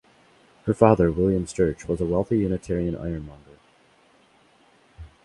Her father, William Sturch, was a wealthy Unitarian ironmonger.